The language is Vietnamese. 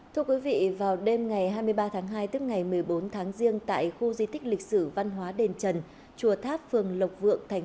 thưa quý vị vào đêm ngày hai mươi ba tháng hai tức ngày một mươi bốn tháng riêng tại khu di tích lịch sử văn hóa đền trần chùa tháp phường lộc vượng